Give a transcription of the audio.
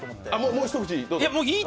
もう一口、どうぞ。